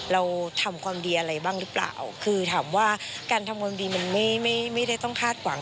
เราทำความดีอะไรบ้างหรือเปล่าคือถามว่าการทำความดีมันไม่ไม่ได้ต้องคาดหวัง